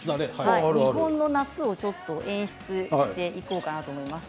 日本の夏をちょっと演出していこうかなと思います。